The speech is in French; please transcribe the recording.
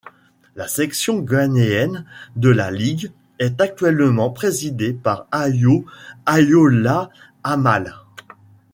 La section ghanéenne de la Ligue est actuellement présidée par Ayo Ayoola-Amale.